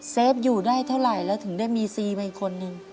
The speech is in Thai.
เฟฟอยู่ได้เท่าไหร่แล้วถึงได้มีซีมาอีกคนนึง